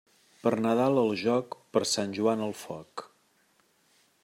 Per Nadal al joc, per Sant Joan al foc.